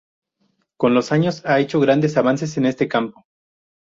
Con los años ha hecho grandes avances en este campo.